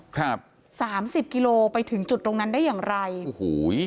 ครับสามสิบกิโลไปถึงจุดตรงนั้นได้อย่างไรโอ้โห